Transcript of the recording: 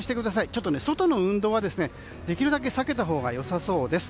ちょっと、外の運動はできるだけ避けたほうが良さそうです。